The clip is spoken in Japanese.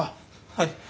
はい。